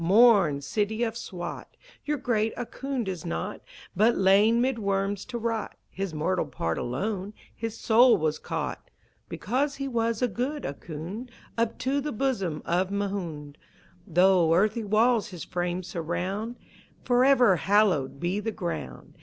Mourn, city of Swat! Your great Ahkoond is not, But lain 'mid worms to rot. His mortal part alone, his soul was caught (Because he was a good Ahkoond) Up to the bosom of Mahound. Though earthy walls his frame surround (Forever hallowed be the ground!)